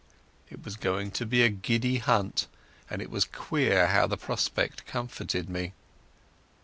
It was going to be a giddy hunt, and it was queer how the prospect comforted me.